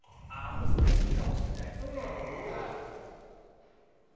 もうそれいいかもしんないですね